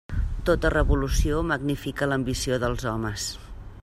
Tota revolució magnifica l'ambició dels homes.